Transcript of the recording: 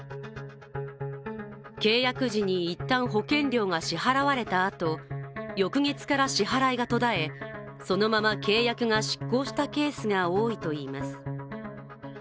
契約時に一旦、保険料が支払われたあと、翌月から支払いが途絶え、そのまま契約が失効したケースが多いといいます。